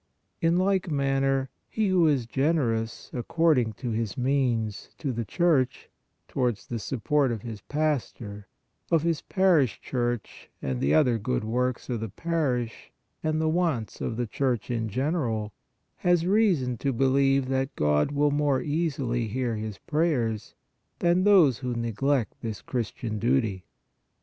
In like manner, he who is generous, according to his means, to the Church, towards the support of his pastor, of his parish church and the other good works of the parish and the wants of the Church in general, has reason to believe that God will more easily hear his prayers than those who neglect this Christian duty.